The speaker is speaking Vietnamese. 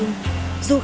tới xã phổ châu